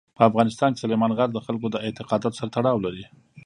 په افغانستان کې سلیمان غر د خلکو د اعتقاداتو سره تړاو لري.